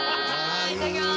いただきます！